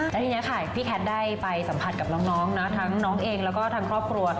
แล้วทีนี้ค่ะพี่แคทได้ไปสัมผัสกับน้องนะทั้งน้องเองแล้วก็ทางครอบครัว